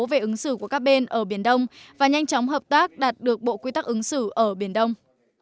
về ứng xử của các bên ở biển đông và nhanh chóng hợp tác đạt được bộ quy tắc ứng xử ở biển đông